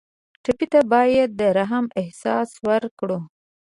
ټپي ته باید د رحم احساس ورکړو.